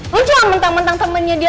lo cuma mentang mentang temennya dia